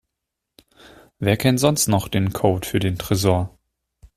Wer kennt sonst noch den Code für den Tresor?